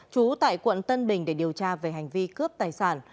trú tại quận tân bình để điều tra về hành vi cướp tài sản